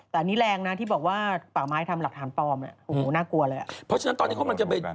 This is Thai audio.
แต่อันนี้แรงนะที่บอกว่าตาก้าวไม้ทำหลักฐานปลอมน่ากลัวเลย